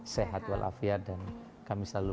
sehat walafiat dan kami selalu